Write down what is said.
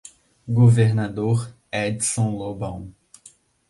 Governador Edison Lobão